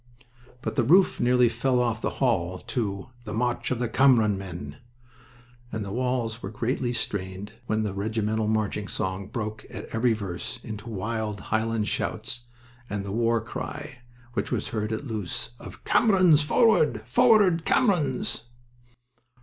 But the roof nearly flew off the hall to "The March of the Cameron Men," and the walls were greatly strained when the regimental marching song broke at every verse into wild Highland shouts and the war cry which was heard at Loos of "Camerons, forward!" "Forward, Camerons!"